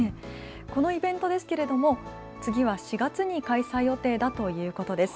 このイベントですが次は４月に開催予定だということです。